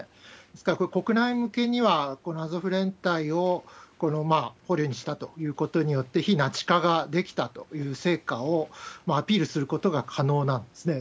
ですからこれ、国内向けにはこのアゾフ連隊を捕虜にしたということによって、非ナチ化ができたという成果をアピールすることが可能なんですね。